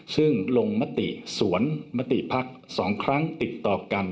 ซึ่งลงมติสวนมติภักดิ์๒ครั้งติดต่อกัน